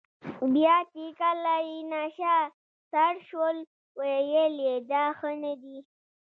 بیا چې کله یې نشه سر شول ویل یې دا ښه نه دي.